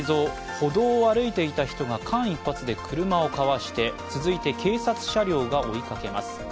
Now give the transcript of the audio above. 歩道を歩いていた人が間一髪で車をかわして、続いて警察車両が追いかけます。